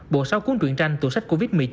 bộ sáu cuốn truyện tranh tù sách covid một mươi chín